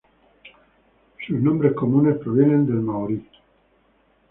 Sus nombres comunes provienen del maorí.